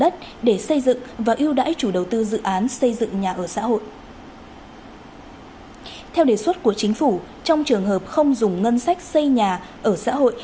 theo đề xuất của chính phủ trong trường hợp không dùng ngân sách xây nhà ở xã hội